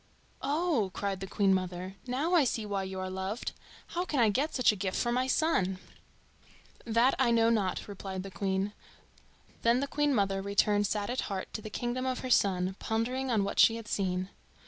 "Oh!" cried the Queen mother, "now I see why you are loved. How can I get such a mirror for my son?" "That I know not," replied the Queen. Then the Queen mother returned sad at heart to the kingdom of her son, pondering on what she had seen.